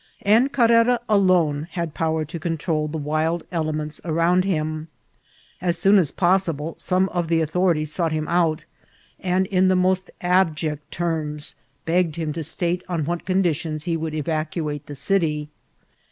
And Carrera alone had power to control the wild ele* tnents around him. As soon as possible some of the authorities sought him out, and in the most abject terms CAPTVKB OP aVATIMALA. hmgtd him to fltote on what conditions he would evBO« ■ate the city.